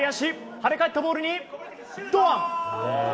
跳ね返ったボールに堂安。